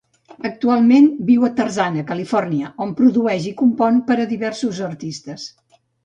Actualment viu a Tarzana, Califòrnia, on produeix i compon per a diversos artistes.